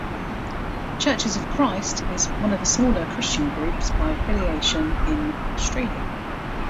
Churches of Christ is one of the smaller Christian groups by affiliation in Australia.